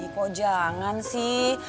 kok jangan sih